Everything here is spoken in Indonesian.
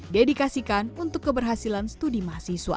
dedikasikan untuk keberhasilan studi mahasiswa